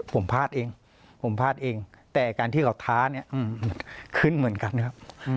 ผมพลาดเองแต่การที่เขาท้าขึ้นเหมือนกันครับ